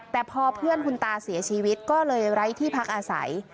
แต่พอเพื่อนคุณตาเสียชีวิตก็เลยไร้ที่พักอาศัย